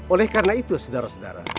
oleh karena itu sedara sedara